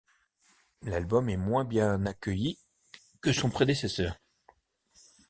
L’album est moins bien accueilli que son prédécesseur.